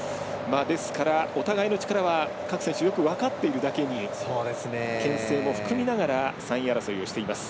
ですから、お互いの力は各選手よく分かっているだけにけん制も含みながら３位争いをしています。